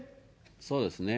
そうですね。